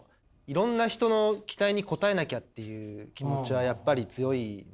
いろんな人の期待に応えなきゃっていう気持ちはやっぱり強いので。